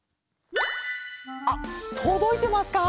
あっとどいてますか？